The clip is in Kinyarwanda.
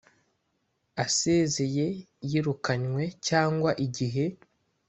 asezeye yirukanywe cyangwa igihe